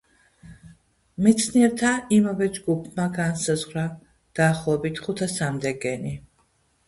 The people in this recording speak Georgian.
მეცნიერთა იმავე ჯგუფმა განსაზღვრა დაახლოებით ხუთასამდე გენი.